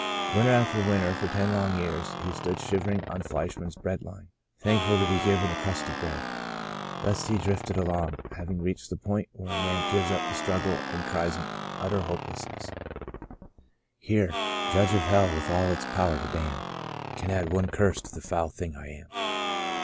Winter after winter for ten long years he stood shivering on Fleischman's bread line, thankful to be given a crust of bread. Thus he drifted along, having reached the point where a man gives up the struggle and cries in utter hopelessness : The Blossoming Desert 145 Here — ^judge if hell with all its power to damn Can add one curse to the foul thing I am."